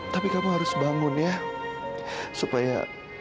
tapi kamu harus bangun ya supaya